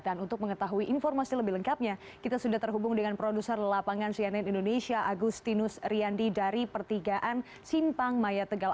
dan untuk mengetahui informasi lebih lengkapnya kita sudah terhubung dengan produser lapangan cnn indonesia agustinus riandi dari pertigaan simpang maya tegal